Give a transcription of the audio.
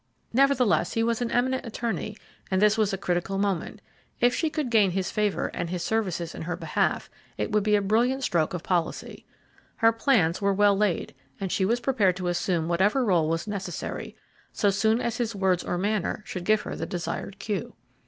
Nevertheless, he was an eminent attorney and this was a critical moment; if she could gain his favor and his services in her behalf, it would be a brilliant stroke of policy. Her plans were well laid, and she was prepared to assume whatever role was necessary, so soon as his words or manner should give her the desired cue.